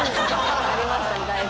ありましたねだいぶね。